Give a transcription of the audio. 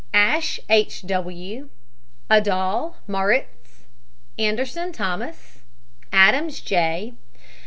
ASHE, H. W. ADAHL, MAURITZ. ANDERSON, THOMAS. ADAMS, J.